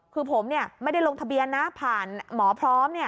คือผมไม่ได้ลงทะเบียนนะผ่านหมอพร้อม